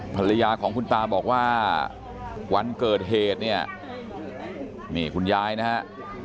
ภรรยาของคุณตาบอกว่าวันเกิดเหตุเนี่ยนี่คุณยายนะฮะ